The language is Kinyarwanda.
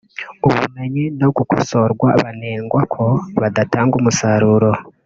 ubumenyi no gukosorwa banengwa ko badatanga umusaruro